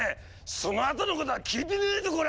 そのあとのことは聞いてねえぞコラ！